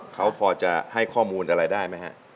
เขาพอจะให้ข้อมูลอะไรได้ไหมฮะ